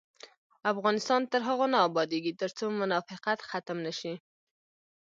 افغانستان تر هغو نه ابادیږي، ترڅو منافقت ختم نشي.